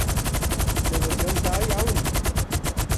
Newyddion da iawn.